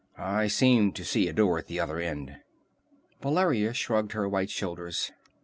I seem to see a door at the other end." Valeria shrugged her white shoulders.